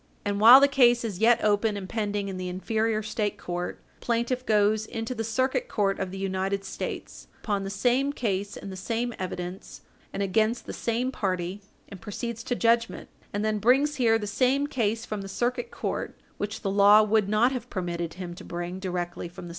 And while the case is yet open and pending in the inferior State court, the plaintiff goes into the Circuit Court of the United States, upon the same case and the same evidence and against the same party, and proceeds to judgment, and then brings here the same case from the Circuit Court, which the law would not have permitted him to bring directly from the Page 60 U.